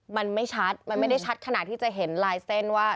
มันไม่ชัดมันไม่ได้ชัดขนาดที่จะเห็นลายเส้นว่า